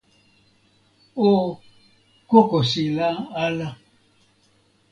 o kokosila ala.